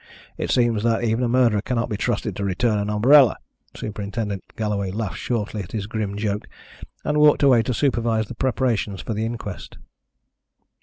It seems that even a murderer cannot be trusted to return an umbrella." Superintendent Galloway laughed shortly at his grim joke and walked away to supervise the preparations for the inquest.